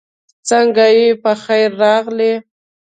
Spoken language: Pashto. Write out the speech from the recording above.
سنګه یی پخير راغلې